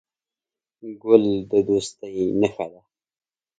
ګل د دوستۍ نښه ده.